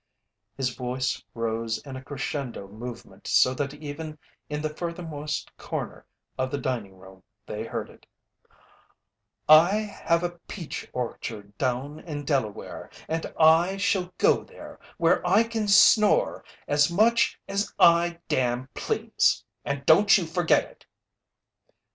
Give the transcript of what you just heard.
His voice rose in a crescendo movement so that even in the furthermost corner of the dining room they heard it: "I have a peach orchard down in Delaware, and I shall go there, where I can snore as much as I damn please; and don't you forget it!"